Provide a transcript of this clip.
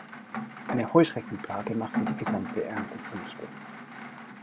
Eine Heuschreckenplage machte die gesamte Ernte zunichte.